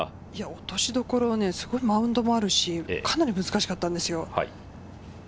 落としどころはマウンドもあるし、かなり難しかったんですよ。